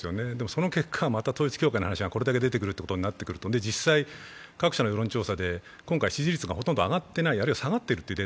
その結果、また統一教会の話がまたこれだけ出てくるということになってくると、実際、各社の世論調査で今回支持率が上がっていない、むしろ下がってる。